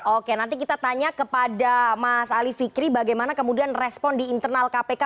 oke nanti kita tanya kepada mas ali fikri bagaimana kemudian respon di internal kpk